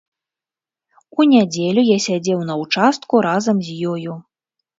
У нядзелю я сядзеў на ўчастку разам з ёю.